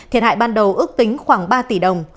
thiệt hại ban đầu ước tính khoảng ba tỷ đồng